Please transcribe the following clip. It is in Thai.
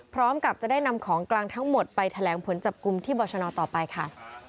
พร้อมกับจะได้นำของกลางทั้งหมดไปแถลงผลจับกลุ่มที่บรชนต่อไปค่ะ